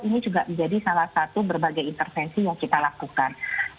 ini juga menjadi salah satu berbagai intervensi yang kita lakukan